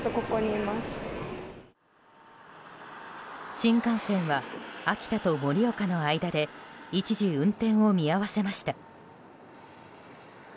新幹線は秋田と盛岡の間で一時、運転を見合わせました。